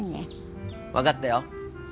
分かったよ。